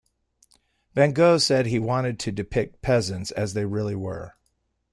Van Gogh said he wanted to depict peasants as they really were.